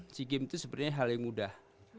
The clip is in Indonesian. si game itu sebenarnya hal yang mudah